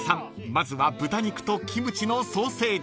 まずは豚肉とキムチのソーセージ］